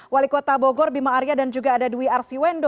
wali kota bogor bima arya dan juga ada dwi arsiwendo